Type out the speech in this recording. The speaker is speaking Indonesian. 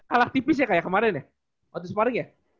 kalah tipis ya kayak kemarin ya waktu semarang ya